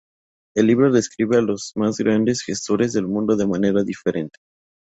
El libro describe a "los más grandes gestores del mundo de manera diferente".